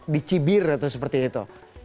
dicibir atau seperti itu